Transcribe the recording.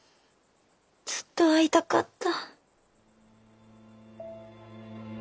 ずっと会いたかった。